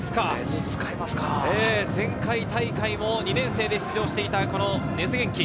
前回大会も２年生で出場していた、根津元輝。